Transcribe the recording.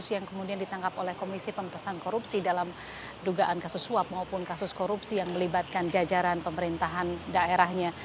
yang kemudian ditangkap oleh komisi pemerintahan korupsi dalam dugaan kasus suap maupun kasus korupsi yang melibatkan jajaran pemerintahan daerahnya